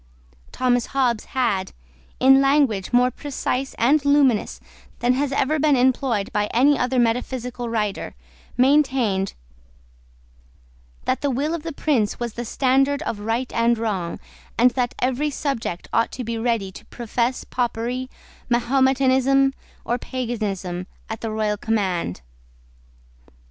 Thomas Hobbes had, in language more precise and luminous than has ever been employed by any other metaphysical writer, maintained that the will of the prince was the standard of right and wrong, and that every subject ought to be ready to profess Popery, Mahometanism, or Paganism, at the royal command.